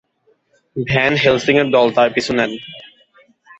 Van হেলসিং-এর দল তার পিছু নেন।